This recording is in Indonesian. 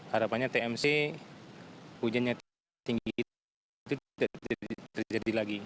harapannya tmc hujannya tinggi itu tidak terjadi lagi